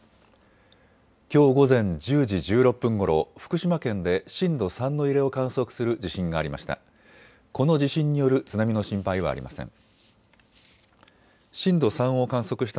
きょう午前１０時１６分ごろ福島県で震度３の揺れを観測する地震がありました。